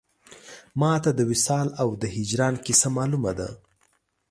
ما ته د وصال او د هجران کیسه مالومه ده